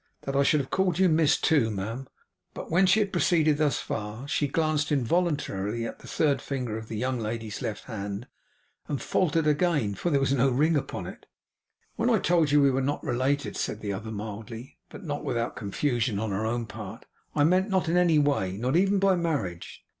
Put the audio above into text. That I should have called you "Miss," too, ma'am!' But when she had proceeded thus far, she glanced involuntarily at the third finger of the young lady's left hand, and faltered again; for there was no ring upon it. 'When I told you we were not related,' said the other mildly, but not without confusion on her own part, 'I meant not in any way. Not even by marriage.